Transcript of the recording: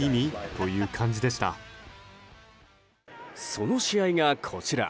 その試合が、こちら。